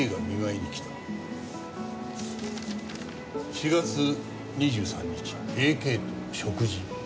「４月２３日Ａ．Ｋと食事」